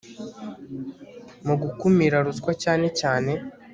mu gukumira ruswa cyane cyane